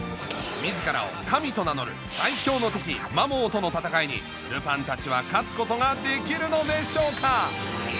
自らを神と名乗る最強の敵・マモーとの戦いにルパンたちは勝つことができるのでしょうか？